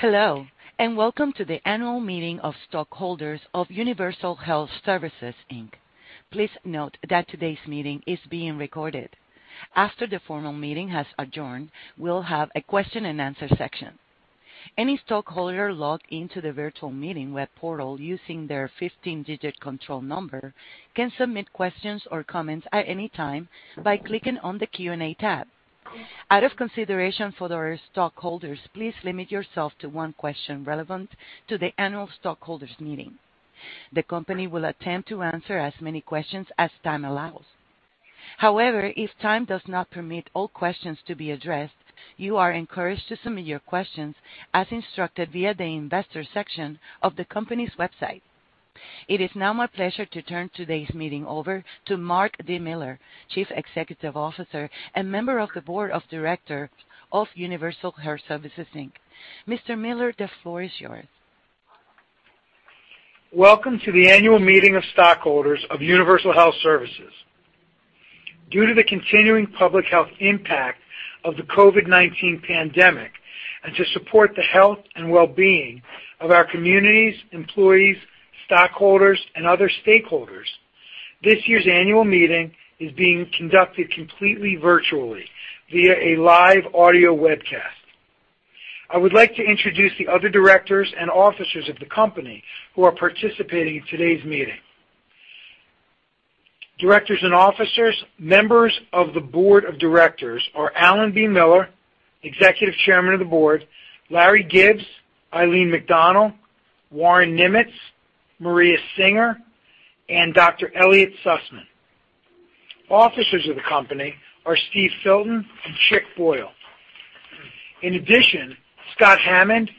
Hello, and welcome to the annual meeting of stockholders of Universal Health Services, Inc. Please note that today's meeting is being recorded. After the formal meeting has adjourned, we'll have a question-and-answer section. Any stockholder logged into the virtual meeting web portal using their 15-digit control number can submit questions or comments at any time by clicking on the Q&A tab. Out of consideration for their stockholders, please limit yourself to one question relevant to the annual stockholders meeting. The company will attempt to answer as many questions as time allows. However, if time does not permit all questions to be addressed, you are encouraged to submit your questions as instructed via the investor section of the company's website. It is now my pleasure to turn today's meeting over to Marc D. Miller, Chief Executive Officer and member of the Board of Directors of Universal Health Services, Inc. Mr. Miller, the floor is yours. Welcome to the annual meeting of stockholders of Universal Health Services. Due to the continuing public health impact of the COVID-19 pandemic and to support the health and well-being of our communities, employees, stockholders, and other stakeholders, this year's annual meeting is being conducted completely virtually via a live audio webcast. I would like to introduce the other directors and officers of the company who are participating in today's meeting. Directors and officers. Members of the board of directors are Alan B. Miller, Executive Chairman of the Board, Larry Gibbs, Eileen McDonnell, Warren J. Nimetz, Maria Singer, and Dr. Elliot Sussman. Officers of the company are Steve Filton and Chick Boyle. In addition, Scott Hammond,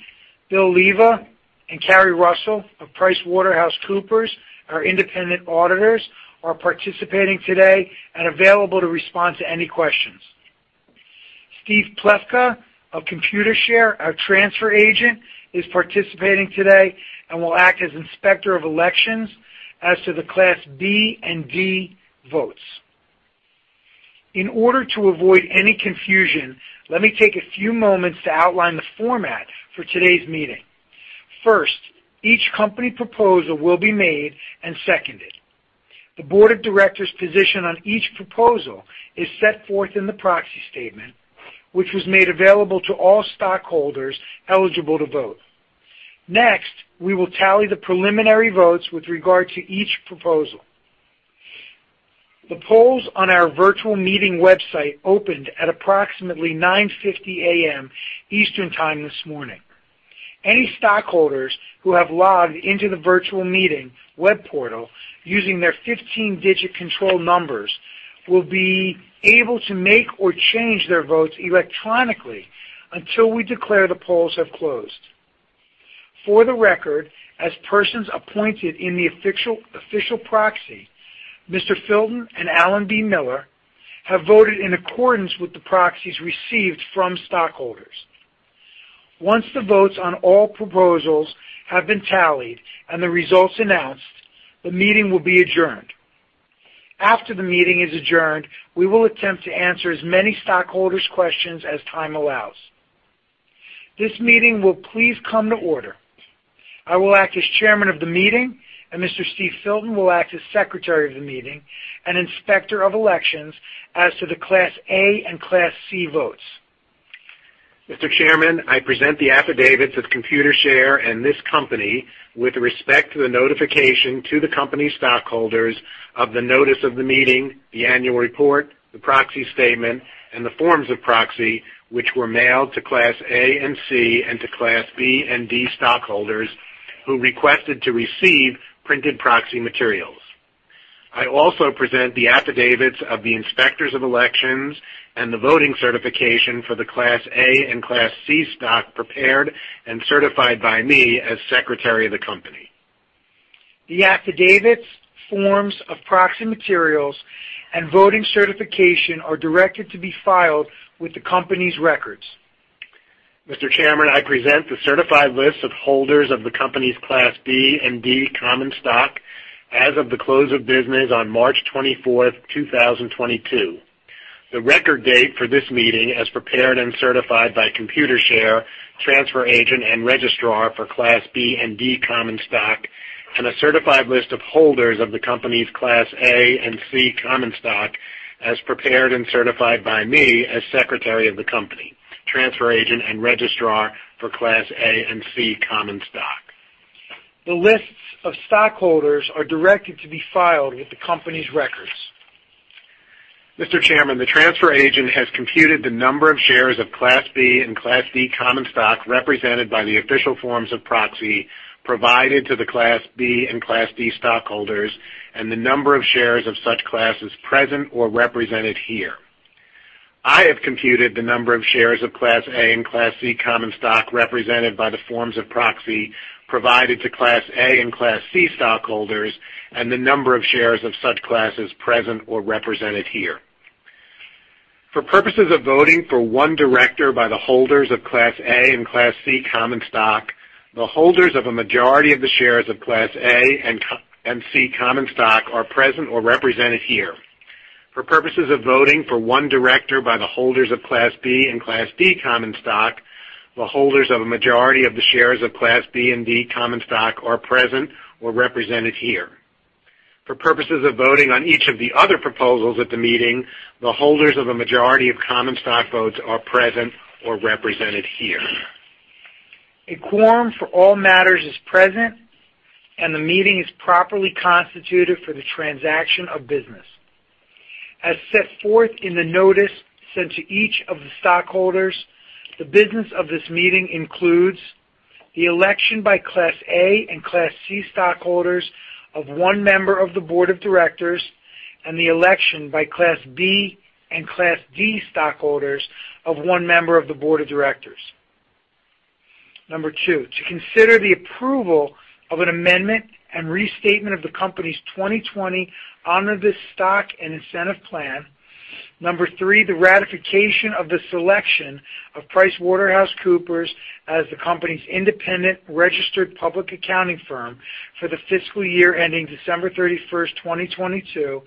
Bill Leva, and Carrie Russell of PricewaterhouseCoopers, our independent auditors, are participating today and available to respond to any questions. Steve Plefka of Computershare, our transfer agent, is participating today and will act as Inspector of Elections as to the Class B and D votes. In order to avoid any confusion, let me take a few moments to outline the format for today's meeting. First, each company proposal will be made and seconded. The board of directors' position on each proposal is set forth in the proxy statement, which was made available to all stockholders eligible to vote. Next, we will tally the preliminary votes with regard to each proposal. The polls on our virtual meeting website opened at approximately 9:50 A.M. Eastern Time this morning. Any stockholders who have logged into the virtual meeting web portal using their 15-digit control numbers will be able to make or change their votes electronically until we declare the polls have closed. For the record, as persons appointed in the official proxy, Mr. Filton and Alan B. Miller have voted in accordance with the proxies received from stockholders. Once the votes on all proposals have been tallied and the results announced, the meeting will be adjourned. After the meeting is adjourned, we will attempt to answer as many stockholders' questions as time allows. This meeting will please come to order. I will act as Chairman of the meeting, and Mr. Steve Filton will act as Secretary of the meeting and Inspector of Elections as to the Class A and Class C votes. Mr. Chairman, I present the affidavits of Computershare and this company with respect to the notification to the company's stockholders of the notice of the meeting, the annual report, the proxy statement, and the forms of proxy, which were mailed to Class A and C and to Class B and D stockholders who requested to receive printed proxy materials. I also present the affidavits of the Inspectors of Elections and the voting certification for the Class A and Class C stock prepared and certified by me as Secretary of the company. The affidavits, forms of proxy materials, and voting certification are directed to be filed with the company's records. Mr. Chairman, I present the certified list of holders of the company's Class B and D common stock as of the close of business on March twenty-fourth, two thousand and twenty-two. The record date for this meeting as prepared and certified by Computershare, transfer agent and registrar for Class B and D common stock, and a certified list of holders of the company's Class A and C common stock as prepared and certified by me as Secretary of the company, transfer agent and registrar for Class A and C common stock. The lists of stockholders are directed to be filed with the company's records. Mr. Chairman, the transfer agent has computed the number of shares of Class B and Class D common stock represented by the official forms of proxy provided to the Class B and Class D stockholders and the number of shares of such classes present or represented here. I have computed the number of shares of Class A and Class C common stock represented by the forms of proxy provided to Class A and Class C stockholders and the number of shares of such classes present or represented here. For purposes of voting for one director by the holders of Class A and Class C common stock, the holders of a majority of the shares of Class A and C common stock are present or represented here. For purposes of voting for one director by the holders of Class B and Class D common stock, the holders of a majority of the shares of Class B and D common stock are present or represented here. For purposes of voting on each of the other proposals at the meeting, the holders of a majority of common stock votes are present or represented here. A quorum for all matters is present, and the meeting is properly constituted for the transaction of business. As set forth in the notice sent to each of the stockholders, the business of this meeting includes the election by Class A and Class C stockholders of one member of the board of directors and the election by Class B and Class D stockholders of one member of the board of directors. Number two, to consider the approval of an amendment and restatement of the Company's 2020 Omnibus Stock and Incentive Plan. Number three, the ratification of the selection of PricewaterhouseCoopers as the company's independent registered public accounting firm for the fiscal year ending December 31, 2022.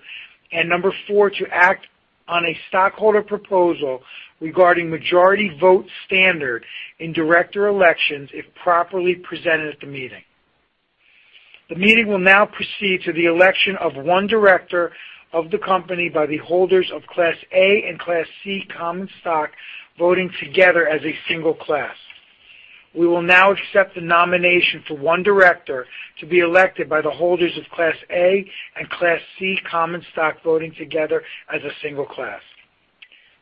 Number four, to act on a stockholder proposal regarding majority vote standard in director elections if properly presented at the meeting. The meeting will now proceed to the election of one director of the company by the holders of Class A and Class C common stock voting together as a single class. We will now accept the nomination for one director to be elected by the holders of Class A and Class C common stock voting together as a single class.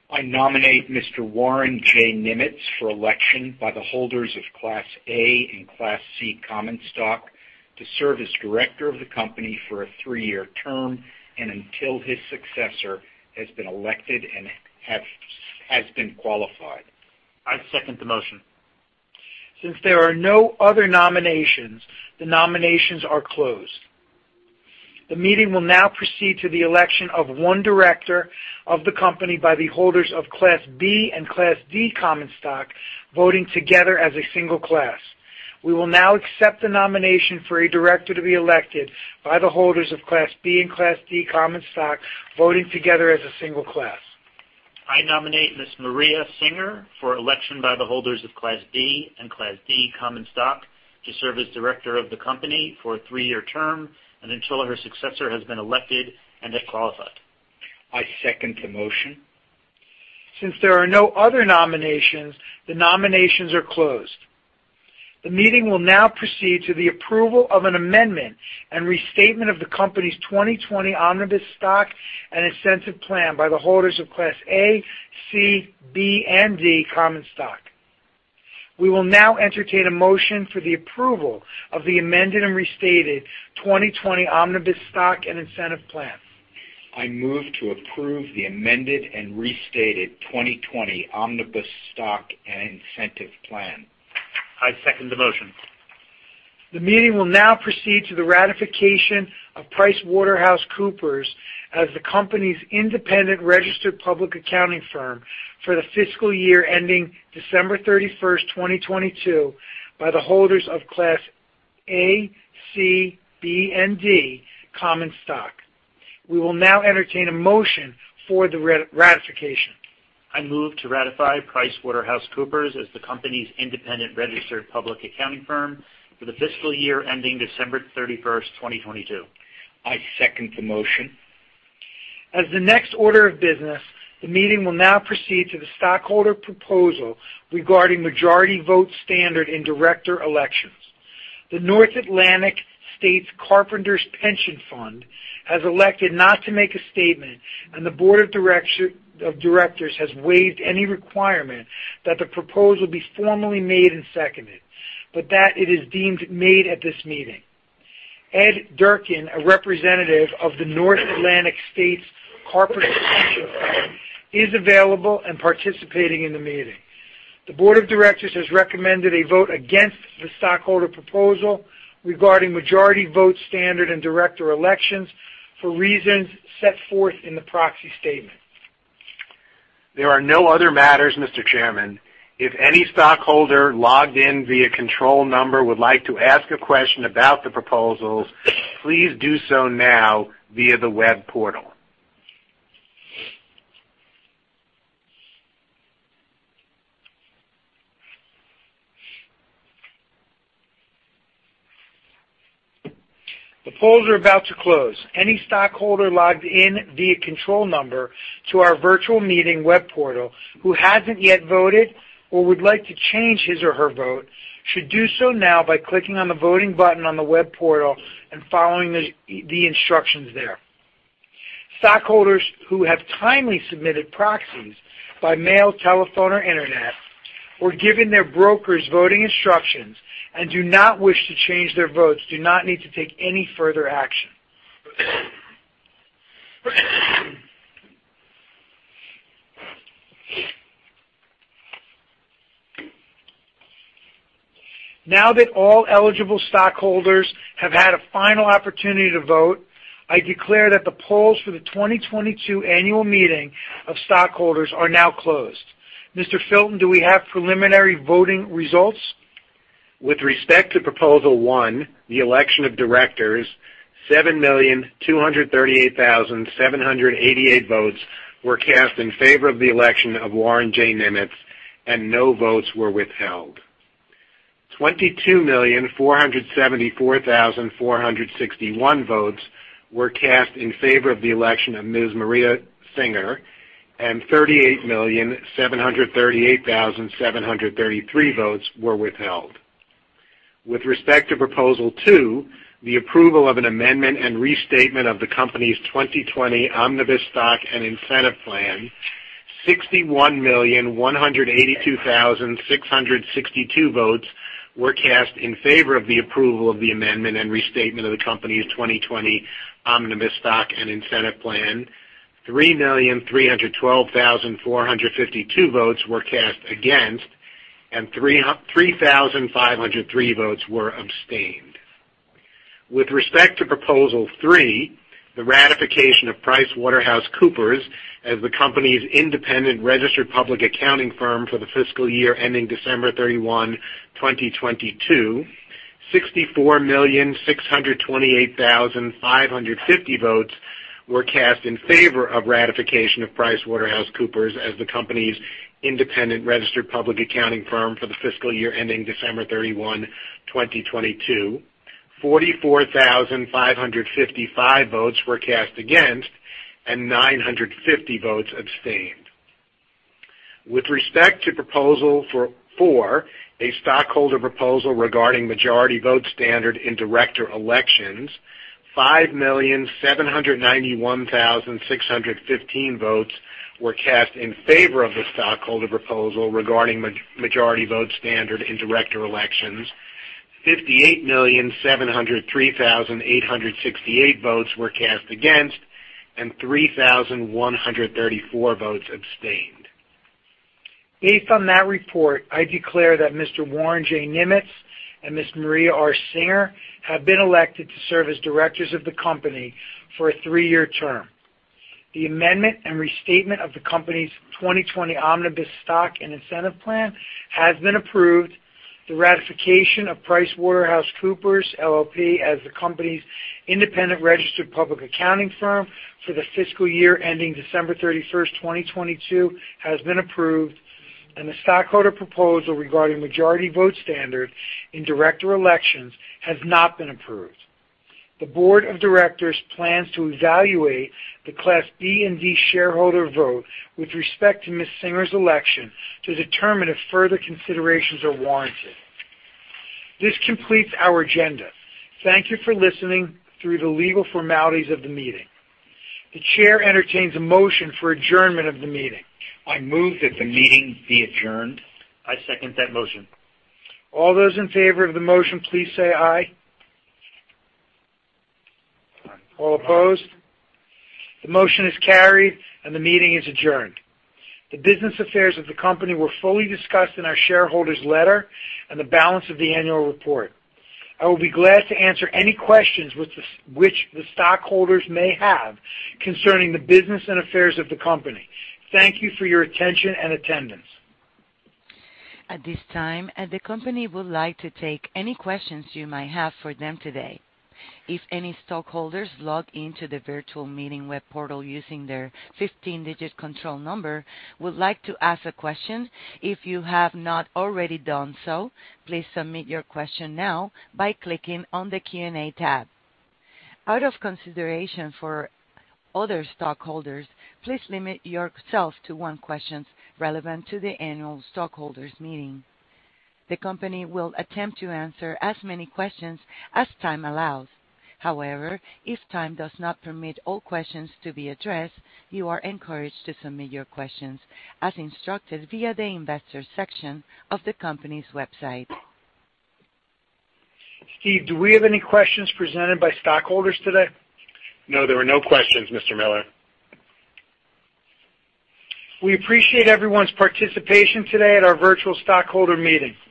I nominate Mr. Warren J. Nimetz for election by the holders of Class A and Class C common stock to serve as Director of the company for a three-year term and until his successor has been elected and has been qualified. I second the motion. Since there are no other nominations, the nominations are closed. The meeting will now proceed to the election of one director of the company by the holders of Class B and Class D common stock, voting together as a single class. We will now accept the nomination for a director to be elected by the holders of Class B and Class D common stock, voting together as a single class. I nominate Ms. Maria Singer for election by the holders of Class B and Class D common stock to serve as Director of the company for a three-year term and until her successor has been elected and has qualified. I second the motion. Since there are no other nominations, the nominations are closed. The meeting will now proceed to the approval of an amendment and restatement of the Company's 2020 Omnibus Stock and Incentive Plan by the holders of Class A, C, B, and D common stock. We will now entertain a motion for the approval of the amended and restated 2020 Omnibus Stock and Incentive Plan. I move to approve the amended and restated 2020 Omnibus Stock and Incentive Plan. I second the motion. The meeting will now proceed to the ratification of PricewaterhouseCoopers as the company's independent registered public accounting firm for the fiscal year ending December 31, 2022 by the holders of Class A, C, B, and D common stock. We will now entertain a motion for the ratification. I move to ratify PricewaterhouseCoopers as the company's independent registered public accounting firm for the fiscal year ending December 31, 2022. I second the motion. As the next order of business, the meeting will now proceed to the stockholder proposal regarding majority vote standard in director elections. The North Atlantic States Carpenters Pension Fund has elected not to make a statement, and the board of directors has waived any requirement that the proposal be formally made and seconded, but that it is deemed made at this meeting. Ed Durkin, a representative of the North Atlantic States Carpenters Pension Fund, is available and participating in the meeting. The board of directors has recommended a vote against the stockholder proposal regarding majority vote standard in director elections for reasons set forth in the proxy statement. There are no other matters, Mr. Chairman. If any stockholder logged in via control number would like to ask a question about the proposals, please do so now via the web portal. The polls are about to close. Any stockholder logged in via control number to our virtual meeting web portal who hasn't yet voted or would like to change his or her vote should do so now by clicking on the voting button on the web portal and following the instructions there. Stockholders who have timely submitted proxies by mail, telephone or Internet, or given their brokers voting instructions and do not wish to change their votes do not need to take any further action. Now that all eligible stockholders have had a final opportunity to vote, I declare that the polls for the 2022 annual meeting of stockholders are now closed. Mr. Filton, do we have preliminary voting results? With respect to Proposal One, the election of directors, 7,238,788 votes were cast in favor of the election of Warren J. Nimetz, and 0 votes were withheld. 22,474,461 votes were cast in favor of the election of Ms. Maria Singer, and 38,738,733 votes were withheld. With respect to Proposal Two, the approval of an amendment and restatement of the company's 2020 Omnibus Stock and Incentive Plan, 61,182,662 votes were cast in favor of the approval of the amendment and restatement of the company's 2020 Omnibus Stock and Incentive Plan. 3,312,452 votes were cast against, and 303,503 votes were abstained. With respect to Proposal Three, the ratification of PricewaterhouseCoopers as the company's independent registered public accounting firm for the fiscal year ending December 31, 2022, 64,628,550 votes were cast in favor of ratification of PricewaterhouseCoopers as the company's independent registered public accounting firm for the fiscal year ending December 31, 2022. 44,555 votes were cast against, and 950 votes abstained. With respect to Proposal Four, a stockholder proposal regarding majority vote standard in director elections, 5,791,615 votes were cast in favor of the stockholder proposal regarding majority vote standard in director elections. 58,703,868 votes were cast against, and 3,134 votes abstained. Based on that report, I declare that Mr. Warren J. Nimetz and Ms. Maria R. Singer have been elected to serve as directors of the company for a three-year term. The amendment and restatement of the company's 2020 Omnibus Stock and Incentive Plan has been approved. The ratification of PricewaterhouseCoopers LLP as the company's independent registered public accounting firm for the fiscal year ending December 31, 2022 has been approved. The stockholder proposal regarding majority vote standard in director elections has not been approved. The board of directors plans to evaluate the Class B and D shareholder vote with respect to Ms. Singer's election to determine if further considerations are warranted. This completes our agenda. Thank you for listening through the legal formalities of the meeting. The chair entertains a motion for adjournment of the meeting. I move that the meeting be adjourned. I second that motion. All those in favor of the motion, please say aye. Aye. All opposed. The motion is carried, and the meeting is adjourned. The business affairs of the company were fully discussed in our shareholders' letter and the balance of the annual report. I will be glad to answer any questions which the stockholders may have concerning the business and affairs of the company. Thank you for your attention and attendance. At this time, the company would like to take any questions you might have for them today. If any stockholders logged into the virtual meeting web portal using their 15-digit control number would like to ask a question. If you have not already done so, please submit your question now by clicking on the Q&A tab. Out of consideration for other stockholders, please limit yourself to one question relevant to the annual stockholders meeting. The company will attempt to answer as many questions as time allows. However, if time does not permit all questions to be addressed, you are encouraged to submit your questions as instructed via the investor section of the company's website. Steve, do we have any questions presented by stockholders today? No, there were no questions, Mr. Miller. We appreciate everyone's participation today at our virtual stockholder meeting. Thank you.